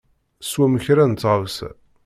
Swem kra n tɣawsa.